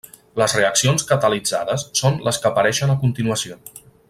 Les reaccions catalitzades són les que apareixen a continuació.